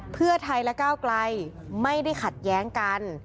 เพื่อไทยและก้าวไกลไม่ได้ขัดแย้งกัน